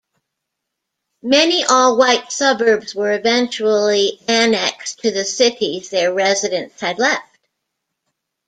Many all-white suburbs were eventually annexed to the cities their residents had left.